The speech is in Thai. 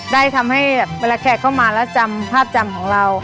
ได้ทำให้เวลาแขกเข้ามาแล้วจำภาพจำของเรา